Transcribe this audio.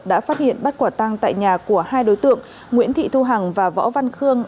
đã phát hiện bắt quả tăng tại nhà của hai đối tượng nguyễn thị thu hằng và võ văn khương